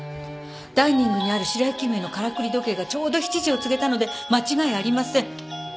ダイニングにある白雪姫のからくり時計がちょうど７時を告げたので間違いありません。